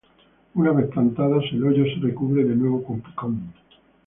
Una vez plantadas, el hoyo se recubre de nuevo con picón.